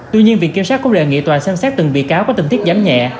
tuy nhiên viện kiểm soát công đề nghị toàn xem xét từng bị cáo có tình thiết giám nhẹ